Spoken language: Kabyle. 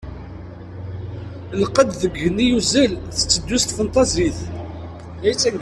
Lqedd deg yigenni yuzzel, tetteddu s tfenṭazit.